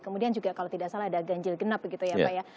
kemudian juga kalau tidak salah ada ganjil genap begitu ya pak ya